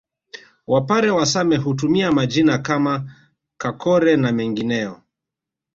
Wapare wa Same hutumia majina kama Kakore na mengineyo